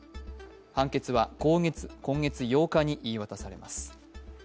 判決は今月８日に言い渡されます。